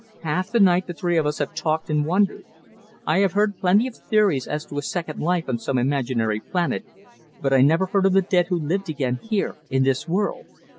Half the night the three of us have talked and wondered. I have heard plenty of theories as to a second life on some imaginary planet, but I never heard of the dead who lived again here, in this world!"